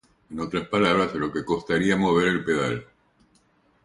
En otras palabras, es lo que "costaría" mover el pedal.